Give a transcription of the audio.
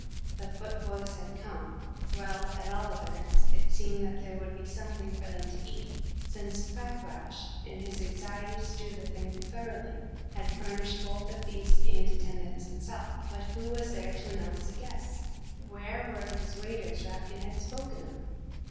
The Futvoyes had come; well, at all events, it seemed that there would be something for them to eat, since Fakrash, in his anxiety to do the thing thoroughly, had furnished both the feast and attendance himself but who was there to announce the guests? Where were these waiters Rapkin had spoken of?